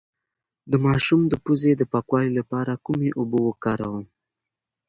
د ماشوم د پوزې د پاکوالي لپاره کومې اوبه وکاروم؟